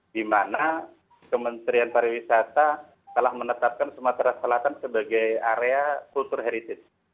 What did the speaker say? dimana kementerian pariwisata telah menetapkan sumatera selatan sebagai area kultur heritage